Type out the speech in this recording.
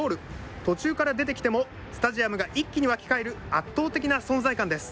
途中から出てきても、スタジアムが一気に沸き返る、圧倒的な存在感です。